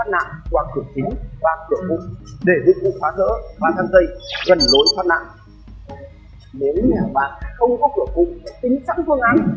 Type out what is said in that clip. nếu nhà bạc không có cửa cụ tính sẵn phương án